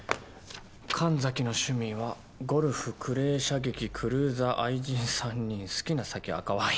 神崎の趣味はゴルフクレー射撃クルーザー愛人３人好きな酒赤ワイン。